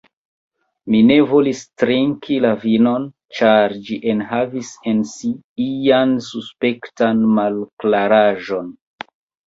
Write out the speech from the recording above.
Mi ne volis trinki la vinon, ĉar ĝi enhavis en si ian suspektan malklaraĵon.